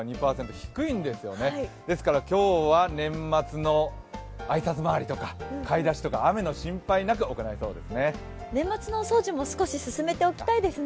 低いんですよね、ですから今日は年末の挨拶回りとか買い出しとか、雨の心配なく行えそうですね。